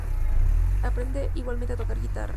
Aprende igualmente a tocar la guitarra.